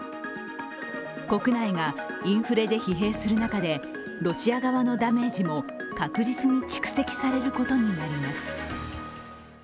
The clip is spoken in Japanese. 国内がインフレで疲弊する中でロシア側のダメージも確実に蓄積されることになります。